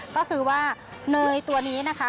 ก็คือว่าเนยตัวนี้นะคะ